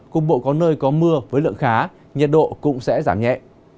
cục bộ có nơi có mưa với lượng khá nhiệt độ cũng sẽ giảm nhẹ